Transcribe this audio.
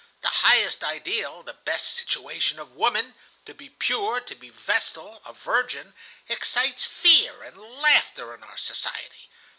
The highest ideal, the best situation of woman, to be pure, to be a vestal, a virgin, excites fear and laughter in our society.